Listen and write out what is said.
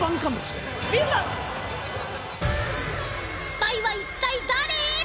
スパイは一体誰！？